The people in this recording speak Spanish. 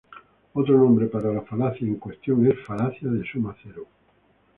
Otro nombre para la falacia en cuestión es "falacia de suma cero".